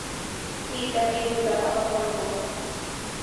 tita qirutam apamurquu.